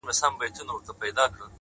o د سپینتمان د سردونو د یسنا لوري ـ